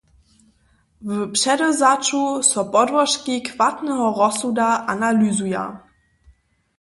W předewzaću so podłožki chwatneho rozsuda analyzuja.